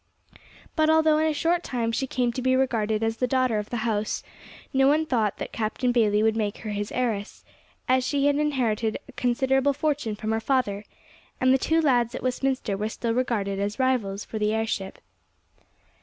But although in a short time she came to be regarded as the daughter of the house, no one thought that Captain Bayley would make her his heiress, as she had inherited a considerable fortune from her father; and the two lads at Westminster were still regarded as rivals for the heirship.